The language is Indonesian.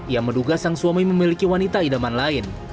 ia menduga sang suami memiliki wanita idaman lain